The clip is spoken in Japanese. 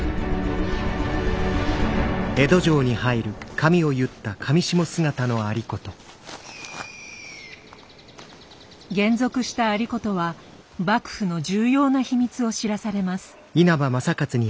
還俗した有功は幕府の重要な秘密を知らされます。